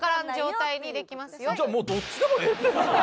じゃあもうどっちでもええで！